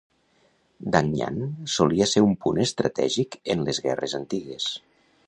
Dangyang solia ser un punt estratègic en les guerres antigues.